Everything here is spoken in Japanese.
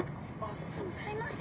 すいません。